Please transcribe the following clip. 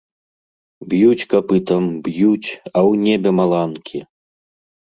Б'юць капытам, б'юць, а ў небе маланкі!